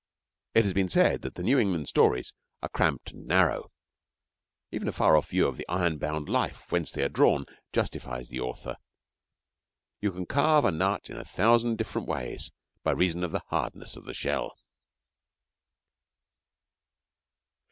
It has been said that the New England stories are cramped and narrow. Even a far off view of the iron bound life whence they are drawn justifies the author. You can carve a nut in a thousand different ways by reason of the hardness of the shell.